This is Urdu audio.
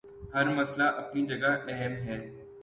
ہر مسئلہ اپنی جگہ اہم ہے۔